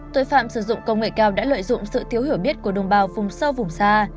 tội phạm sử dụng công nghệ cao đã lợi dụng sự thiếu hiểu biết của đồng bào vùng sâu vùng xa